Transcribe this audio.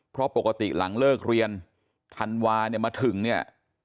เพราะปกติหลังเลิกเรียนธันวาเนี่ยมาถึงเนี่ย